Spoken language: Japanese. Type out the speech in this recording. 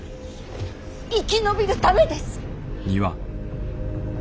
生き延びるためです！